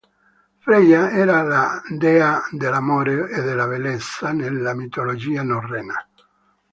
Freya era la dea dell'amore e della bellezza nella mitologia norrena.